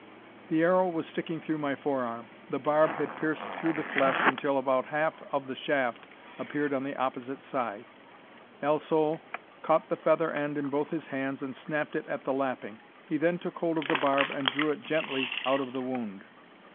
The arrow was sticking through my forearm. The barb had pierced through the flesh, until about half of the shaft appeared on the opposite side. El Sol caught the feather end in both his hands, and snapped it at the lapping. He then took hold of the barb and drew it gently out of the wound.